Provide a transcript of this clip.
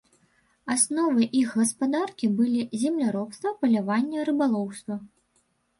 Асновай іх гаспадаркі былі земляробства, паляванне, рыбалоўства.